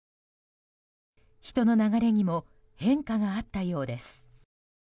人の流れにも変化があったようです。